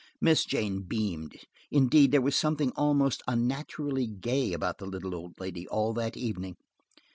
Miss Jane beamed. Indeed, there was something almost unnaturally gay about the little old lady all that evening.